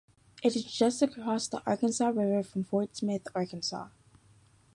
It is just across the Arkansas River from Fort Smith, Arkansas.